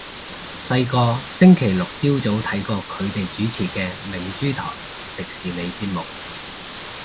細個星期六朝早睇過佢哋主持嘅明珠台迪士尼節目